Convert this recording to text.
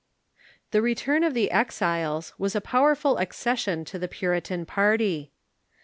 The return of the exiles was a powerful accession to the Pu ritan party.